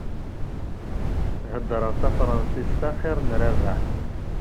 Heddṛeɣ tafṛansist axiṛ n Rabaḥ.